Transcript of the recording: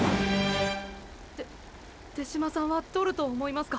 て手嶋さんは獲ると思いますか？